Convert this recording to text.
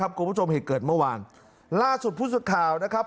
คุณผู้ชมเหตุเกิดเมื่อวานล่าสุดผู้สุดข่าวนะครับ